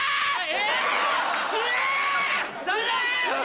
え？